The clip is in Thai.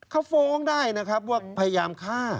เขาฟ้องได้นะครับว่าพยายามฆ่า